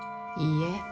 いいえ。